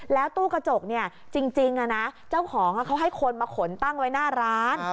แล้วตู้กระจกเนี่ยจริงนะเจ้าของเขาให้คนมาขนตั้งไว้หน้าร้าน